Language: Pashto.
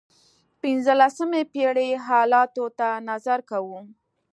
پنځلسمې پېړۍ حالاتو ته نظر کوو.